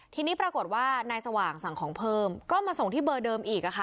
ทีนี้ปรากฏว่านายสว่างสั่งของเพิ่มก็มาส่งที่เบอร์เดิมอีกค่ะ